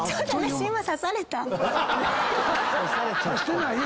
刺してないよ。